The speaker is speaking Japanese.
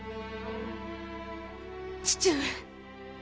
父上。